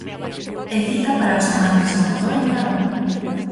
E cita para os amantes do motor en Narón.